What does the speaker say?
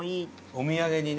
お土産にね。